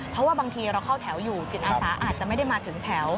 เพราะว่าบางทีเราเข้าแถวอยู่จิตอาสาอาจจะไม่ได้มาถึงแถว